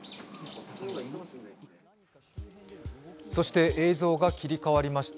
そして映像が切り替わりました。